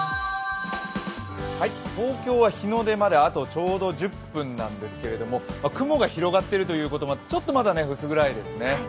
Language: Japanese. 東京は日の出まで、あとちょうど１０分なんですけど、雲が広がってることもあってちょっとまだ薄暗いですね。